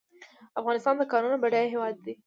افغانستان د کانونو بډایه هیواد دی